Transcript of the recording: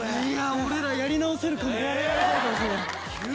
俺らやり直せるかも。